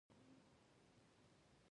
د دواړو ملتونو لپاره.